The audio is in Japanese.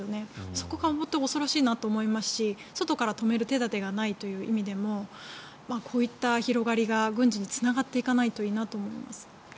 そこが恐ろしいなと思いますし外から止める手立てがないという意味でもこういった広がりが軍事につながっていかないといいなと思います。